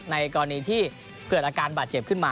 ในกรณีที่เกิดอาการบาดเจ็บขึ้นมา